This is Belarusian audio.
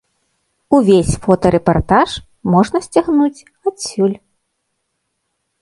Увесь фота-рэпартаж можна сцягнуць адсюль.